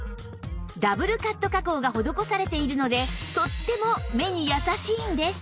ダブルカット加工が施されているのでとっても目に優しいんです！